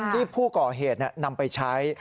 ที่ผู้ก่อเหตุนำไปใช้